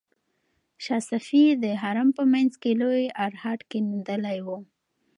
شاه صفي د حرم په منځ کې لوی ارهډ کیندلی و.